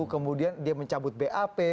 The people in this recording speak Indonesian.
kemudian dia mencabut bap